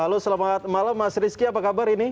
halo selamat malam mas rizky apa kabar ini